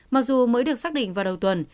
mặc dù mới được xác định vào đầu tuần